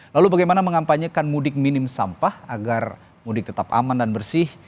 lalu bagaimana mengampanyekan mudik minim sampah agar mudik tetap aman dan bersih